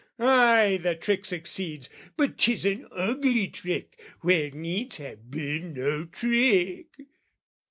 Ay, "The trick succeeds, but 'tis an ugly trick, "Where needs have been no trick!"